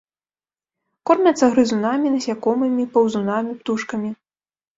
Кормяцца грызунамі, насякомымі, паўзунамі, птушкамі.